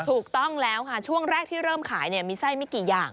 ถูกต้องแล้วค่ะช่วงแรกที่เริ่มขายมีไส้ไม่กี่อย่าง